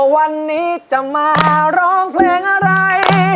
วันนี้จะมาร้องเพลงอะไร